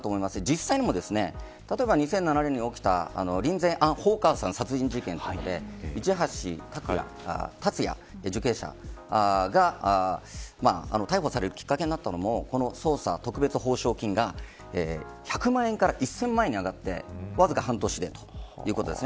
実際にも、２００７年に起きたリンゼイさん殺害事件ですが受刑者が逮捕されるきっかけになったのも、特別保証金が１００万円から１０００万円に上がってわずか半年ということです。